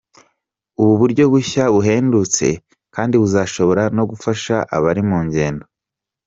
ubu buryo bushya buhendutse kandi buzashobora no gufasha abari mu ngendo.